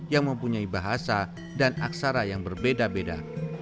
yang mempunyai bahasa dan aksara yang berbeda beda